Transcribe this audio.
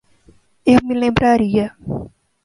Eu me lembraria